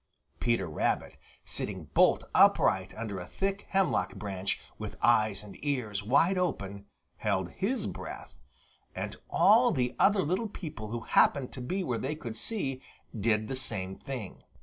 Peter Rabbit, sitting bolt upright under a thick hemlock branch, with eyes and ears wide open, held his breath. And all the other little people who happened to be where they could see did the same thing.